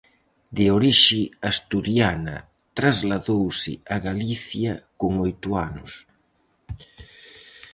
De orixe asturiana trasladouse a Galicia con oito anos.